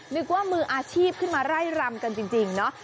นึกว่ามืออาชีพขึ้นมาไล่รำกันจริงเนาะ